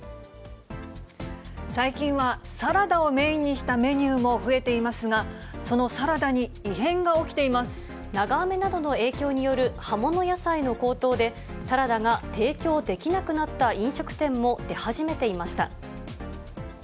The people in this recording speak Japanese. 最近は、サラダをメインにしたメニューも増えていますが、そのサラダに異長雨などの影響による葉物野菜の高騰で、サラダが提供できなくなった飲食店も出始めていました。